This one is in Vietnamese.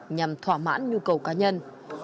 nhằm thỏa mãn nhu cầu cá nhân